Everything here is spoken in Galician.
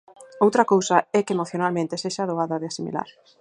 Outra cousa é que emocionalmente sexa doada de asimilar.